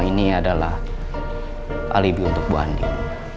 pak sumarno ini adalah alibi untuk bu andin